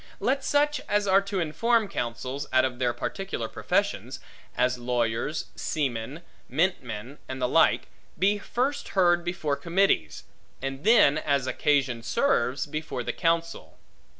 Let such as are to inform counsels, out of their particular professions (as lawyers, seamen, mintmen, and the like) be first heard before committees; and then, as occasion serves, before the counsel.